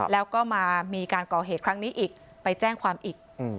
แล้วก็มามีการก่อเหตุครั้งนี้อีกไปแจ้งความอีก